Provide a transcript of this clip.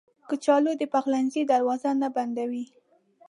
کچالو د پخلنځي دروازه نه بندوي